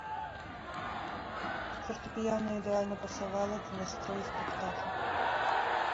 Фартэпіяна ідэальна пасавала да настрою спектакля.